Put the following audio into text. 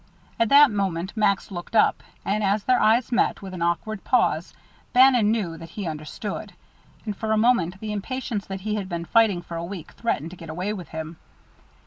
At that moment Max looked up, and as their eyes met, with an awkward pause, Bannon knew that he understood; and for a moment the impatience that he had been fighting for a week threatened to get away with him.